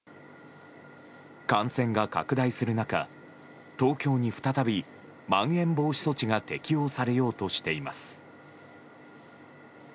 感染が拡大する中、東京に再びまん延防止措置が適用されようとしています。